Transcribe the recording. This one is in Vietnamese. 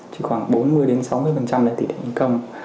chỉ khoảng bốn mươi sáu mươi là tỷ lệ thành công